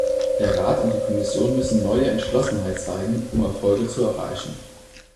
Der Rat und die Kommission müssen neue Entschlossenheit zeigen, um Erfolge zu erreichen.